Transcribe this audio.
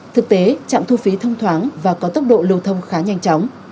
thực tế trạm thu phí thông thoáng và có tốc độ